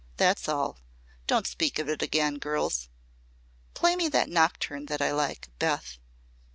That's all. Don't speak of it again, girls. Play me that nocturne that I like, Beth."